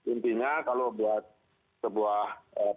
intinya kalau buat sebuah